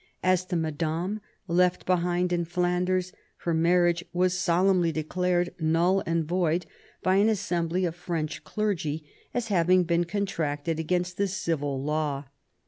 As to Madame, left behind in Flanders, her marriage was solemnly declared null and void by an assembly of French clergy, as having been contracted against the civil law.